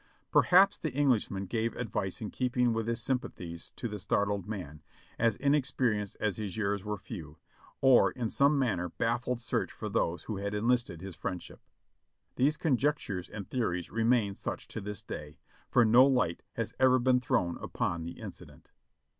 Perhaps the Englishman gave advice in keeping with his sym pathies to the startled man, as inexperienced as his years were few, or in some manner baffled search for those who had enlisted his friendship. These conjectures and theories remain such to this day, for no light has ever been thrown upon the incident.